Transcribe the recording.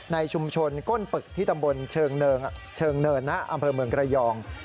ในชุมชนก้นปึกที่ตำบลเชิงเนินนะอำเภอเมืองระยอง